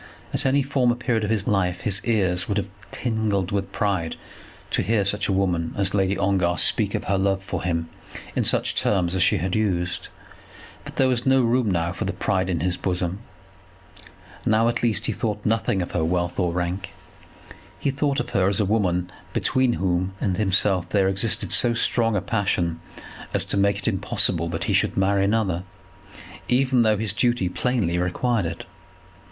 At any former period of his life his ears would have tingled with pride to hear such a woman as Lady Ongar speak of her love for him in such terms as she had used; but there was no room now for pride in his bosom. Now at least he thought nothing of her wealth or rank. He thought of her as a woman between whom and himself there existed so strong a passion as to make it impossible that he should marry another, even though his duty plainly required it.